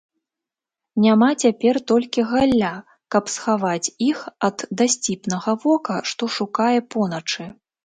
Няма цяпер толькі галля, каб схаваць іх ад дасціпнага вока, што шукае поначы.